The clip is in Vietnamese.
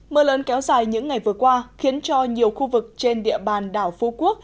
mưa lớn kéo dài những ngày vừa qua khiến cho nhiều khu vực trên địa bàn đảo phú quốc